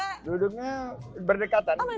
apakah saling duduknya bareng terus atau enggak